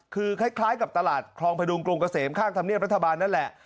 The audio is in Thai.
คือคล้ายกับตลาดคลองพดุงกรุงเกษมข้างธรรมเนียบรัฐบาลนั่นแหละ